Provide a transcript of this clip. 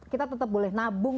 kita tetap boleh nabung